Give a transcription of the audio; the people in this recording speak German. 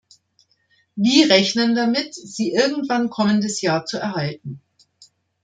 Wie rechnen damit, sie irgendwann kommendes Jahr zu erhalten.